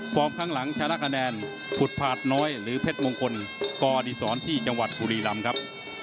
พร้อมข้างหลังชนะคะแนนพุทธภาษณ์น้อยหรือเพชรมงคลกอดิศรที่จังหวัดภูรีรัมป์ครับ